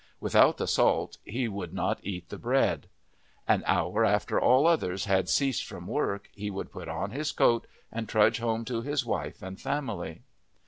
Without the salt he would not eat the bread. An hour after all others had ceased from work he would put on his coat and trudge home to his wife and family.